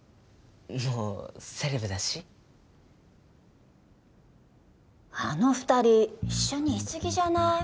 もうセレブだしあの二人一緒にいすぎじゃない？